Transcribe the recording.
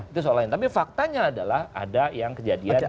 itu soal lain tapi faktanya adalah ada yang kejadian